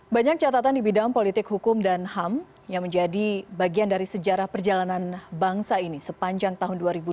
banyak catatan di bidang politik hukum dan ham yang menjadi bagian dari sejarah perjalanan bangsa ini sepanjang tahun dua ribu dua puluh